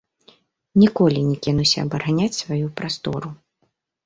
Ніколі не кінуся абараняць сваю прастору.